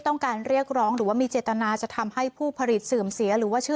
ต้องการเรียกร้องหรือว่ามีเจตนาจะทำให้ผู้ผลิตเสื่อมเสียหรือว่าชื่อ